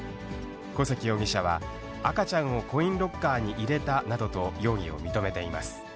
小関容疑者は、赤ちゃんをコインロッカーに入れたなどと、容疑を認めています。